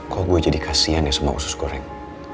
kok gue jadi kasihan ya sama khusus goreng